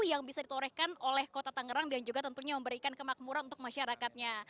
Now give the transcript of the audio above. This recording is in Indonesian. yang bisa ditorehkan oleh kota tangerang dan juga tentunya memberikan kemakmuran untuk masyarakatnya